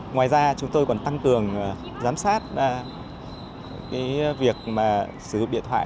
ngoài ra chúng tôi còn tăng cường giám sát cái việc mà sử dụng điện thoại